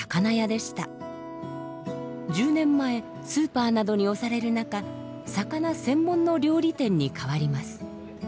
１０年前スーパーなどに押される中魚専門の料理店に変わります。